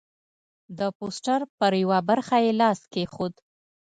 د پوسټر پر یوه برخه یې لاس کېښود.